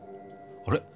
あれ？